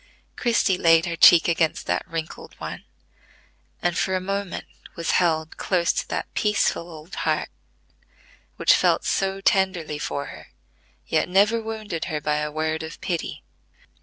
Christie laid her cheek against that wrinkled one, and, for a moment, was held close to that peaceful old heart which felt so tenderly for her, yet never wounded her by a word of pity.